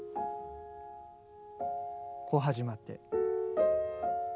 こう始まって。